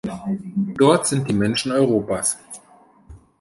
Dort sind die Menschen Europas.